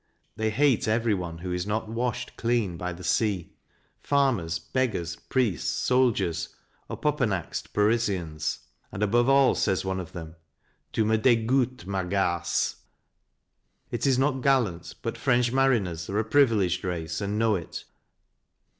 They hate every one who is not washed clean by the sea farmers, beggars, priests, soldiers, opoponaxed Parisians. And, above all, says one of them, " tu me degoutes, ma garce." It is not gallant, but French mariners are a privileged race and know it.